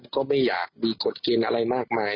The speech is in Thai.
ก็ไม่อยากดีกดกินอะไรมากมาย